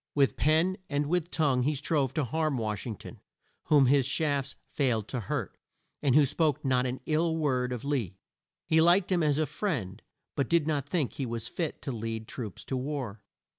With pen and with tongue he strove to harm Wash ing ton, whom his shafts failed to hurt, and who spoke not an ill word of Lee. He liked him as a friend but did not think he was fit to lead troops to war.